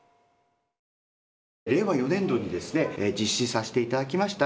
令和４年度に実施させていただきました